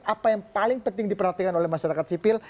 apa yang paling penting diperhatikan oleh masyarakat sipil